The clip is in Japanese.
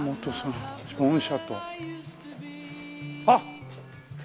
あっ！